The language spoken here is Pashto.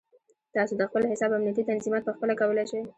تاسو د خپل حساب امنیتي تنظیمات پخپله کولی شئ.